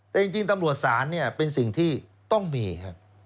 แต่จริงตำรวจศาลเนี่ยเป็นสิ่งที่ต้องมีครับ